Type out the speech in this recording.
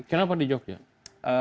kenapa di jogja